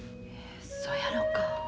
そやろか。